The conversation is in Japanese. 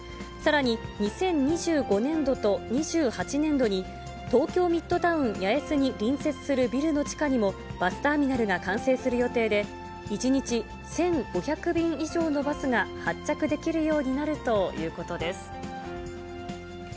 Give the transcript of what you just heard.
さらに、２０２５年度と２８年度に、東京ミッドタウン八重洲に隣接するビルの地下にも、バスターミナルが完成する予定で、１日１５００便以上のバスが発着できるようになるということです。